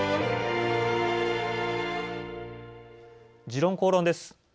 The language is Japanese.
「時論公論」です。